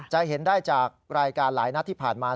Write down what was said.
จะเห็นได้จากรายการหลายนัดที่ผ่านมา